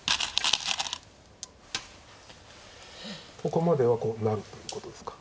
ここまではこうなるということですか。